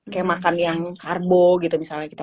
kayak makan yang karbo gitu misalnya kita